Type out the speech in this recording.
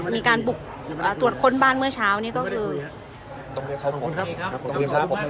โปรดติดตามตอนต่อไป